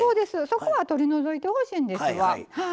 そこは取り除いてほしいんですわ。